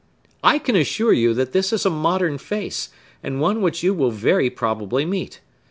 "I can assure you that this is a modern face, and one which you will very probably meet.